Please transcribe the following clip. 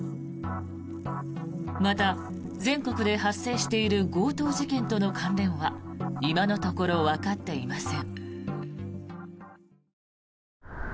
また、全国で発生している強盗事件との関連は今のところわかっていません。